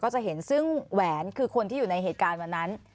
จะเห็นซึ่งแหวนคือคนที่อยู่ในเหตุการณ์วันนั้น